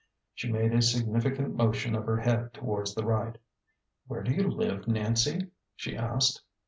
She made a significant motion of her head towards the right. " Where do you live, Nancy ?" she asked.